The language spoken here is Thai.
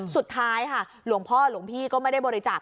สุดท้ายค่ะหลวงพ่อหลวงพี่ก็ไม่ได้บริจาค